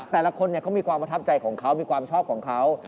แต่ละคนเขามีความประทับใจของเขามีความชอบของเขา